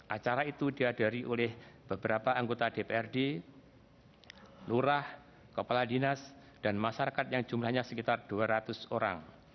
acara itu dihadiri oleh beberapa anggota dprd lurah kepala dinas dan masyarakat yang jumlahnya sekitar dua ratus orang